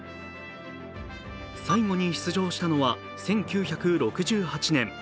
最後に出場したのは１９６８年。